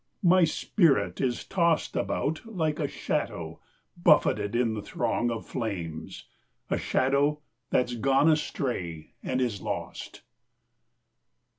My spirit is tossedAbout like a shadow buffeted in the throngOf flames, a shadow that's gone astray, and is lost.